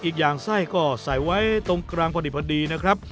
อีกอย่างไส้ก็ใส่ไว้ตรงกลางพอดีนะครับ